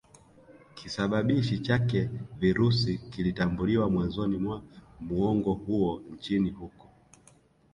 kisababishi chake Virusi kilitambuliwa mwanzoni mwa muongo huo nchini huko